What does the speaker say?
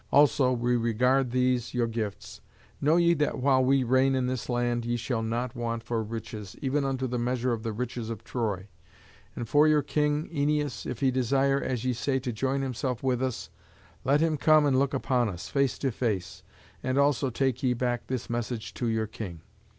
Also we regard these your gifts. Know ye that while we reign in this land ye shall not want for riches, even unto the measure of the riches of Troy. And for your king, Æneas, if he desire, as ye say, to join himself with us, let him come and look upon us, face to face. And also take ye back this message to your king.